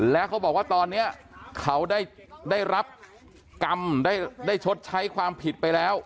แล้วเขาบอกว่าตอนนี้เขาได้รับกรรมได้ชดใช้ความผิดไปแล้ว